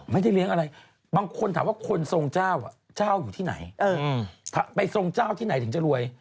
ไม่ได้เลี้ยงอะไรบางคนถามว่าคนทรงเจ้าเจ้าอยู่ที่ไหนไปทรงเจ้าที่ไหนถึงจะรวย